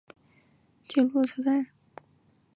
末广町停留场本线的铁路车站。